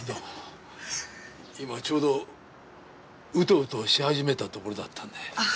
今ちょうどうとうとし始めたところだったんで。